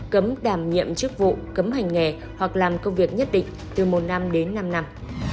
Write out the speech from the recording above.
cấm đảm nhiệm chức vụ cấm hành nghề hoặc làm công việc nhất định từ một năm đến năm năm